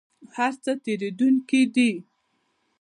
هر څه تیریدونکي دي؟